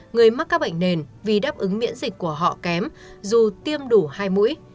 người mắc các bệnh nền vì đáp ứng miễn dịch của họ kém dù tiêm đủ hai mũi